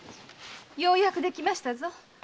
ようやくできましたぞ。